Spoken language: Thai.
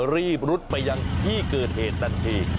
รุดไปยังที่เกิดเหตุทันที